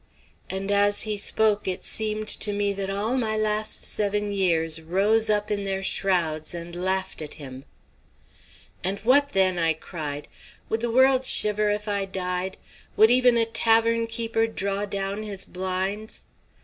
And as he spoke, it seemed to me that all my last seven years rose up in their shrouds and laughed at him. "And what then?" I cried. "Would the world shiver if I died? Would even a tavern keeper draw down his blinds?